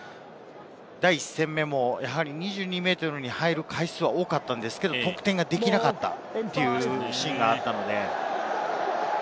第１戦も２２ｍに入る回数は多かったんですけれども、得点ができなかったというシーンがあったので。